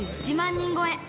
人超え。